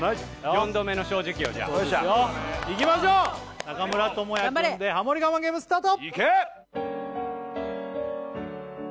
４度目の正直をじゃあいきましょう中村倫也君でハモリ我慢ゲームスタート！